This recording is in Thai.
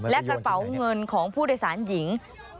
และกระเป๋าเงินของผู้โดยสารหญิง